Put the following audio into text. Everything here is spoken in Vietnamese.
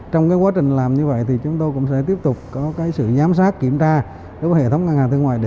trong quá trình làm như vậy chúng tôi cũng sẽ tiếp tục có sự giám sát kiểm tra với hệ thống ngân hàng thương mại